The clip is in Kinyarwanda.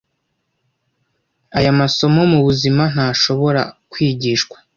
aya masomo mubuzima ntashobora kwigishwa